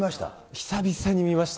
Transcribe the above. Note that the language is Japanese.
久々に見ました。